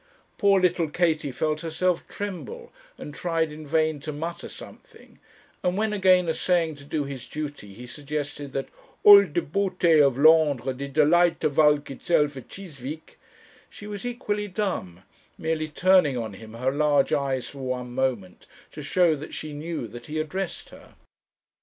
poor little Katie felt herself tremble, and tried in vain to mutter something; and when, again essaying to do his duty, he suggested that 'all de beauté of Londres did delight to valk itself at Chisveek,' she was equally dumb, merely turning on him her large eyes for one moment, to show that she knew that he addressed her.